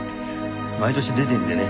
毎年出てるんでね。